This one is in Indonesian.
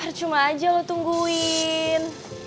bercuma aja lo tungguin